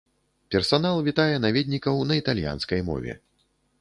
Персанал вітае наведнікаў на італьянскай мове.